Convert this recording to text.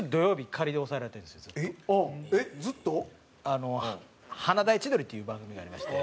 あっえっずっと？っていう番組がありまして。